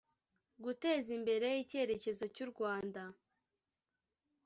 guteza imbere icyerekezo cy u Rwanda